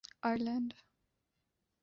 Ireland